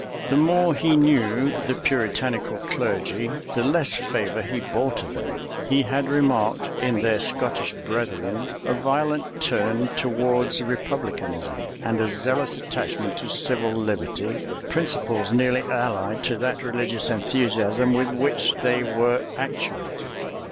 The more he knew the Puritanical clergy, the less favor he bore to them. He had remarked in their Scottish brethren a violent turn towards republicanism, and a zealous attachment to civil liberty; principles nearly allied to that religious enthusiasm with which they were actuated.